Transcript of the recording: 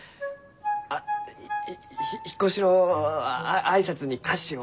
あ引っ越しのあ挨拶に菓子を。